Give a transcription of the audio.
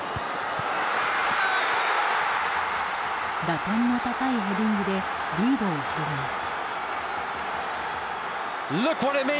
打点の高いヘディングでリードを広げます。